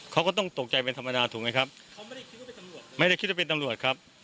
เขาก็ต้องตกใจเป็นธรรมดาถูกมั้ยครับเขาไม่ได้คิดว่าเป็นตำรวจครับ